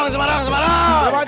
semarang semarang semarang